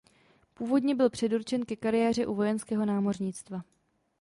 Původem byl předurčen ke kariéře u vojenského námořnictva.